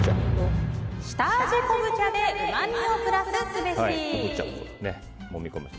下味昆布茶でうまみをプラスすべし。